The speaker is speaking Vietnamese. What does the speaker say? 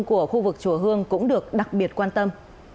của khu vực chùa hương cũng được đặc biệt quan tâm